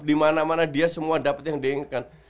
dimana mana dia semua dapet yang diinginkan